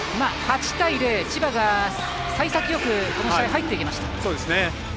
８対０、千葉がさい先よくこの試合入ってきました。